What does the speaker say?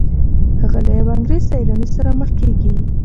هغه له یو انګریز سیلاني سره مخ کیږي.